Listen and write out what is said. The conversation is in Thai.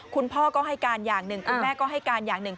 คุณพ่อก็ให้การอย่างหนึ่งคุณแม่ก็ให้การอย่างหนึ่ง